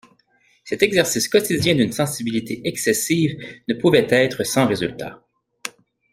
Cet exercice quotidien d'une sensibilité excessive ne pouvait être sans résultats.